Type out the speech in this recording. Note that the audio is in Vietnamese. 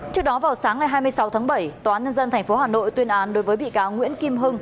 trước đó vào sáng ngày hai mươi sáu tháng bảy tòa nhân dân tp hà nội tuyên án đối với bị cáo nguyễn kim hưng